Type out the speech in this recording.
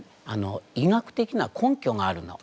医学的な根拠があるの。